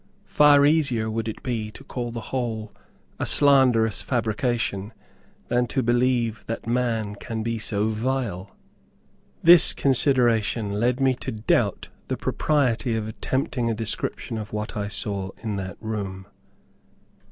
Far easier would it be to call the whole a slanderous fabrication, than to believe that man can be so vile." This consideration led me to doubt the propriety of attempting a description of what I saw in that room.